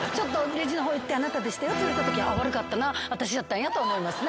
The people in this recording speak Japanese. レジの方行ってあなたでしたよって言われたとき悪かったな私やったんやと思いますね。